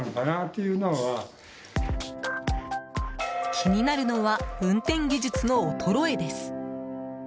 気になるのは運転技術の衰えです。